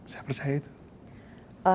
saya percaya itu